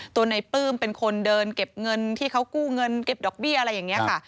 ตัวในปลื้มเป็นคนเดินเก็บเงินที่เขากู้เงินเก็บดอกเบี้ยอะไรอย่างนี้ค่ะ